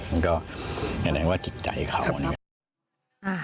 มันก็แน่นอนว่าติดใจเขา